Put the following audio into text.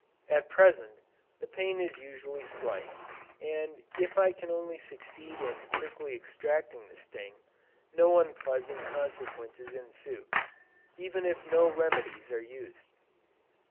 At present, the pain is usually slight, and if I can only succeed in quickly extracting the sting, no unpleasant consequences ensue, even if no remedies are used.